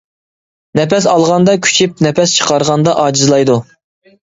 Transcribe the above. نەپەس ئالغاندا كۈچىيىپ نەپەس چىقارغاندا ئاجىزلايدۇ.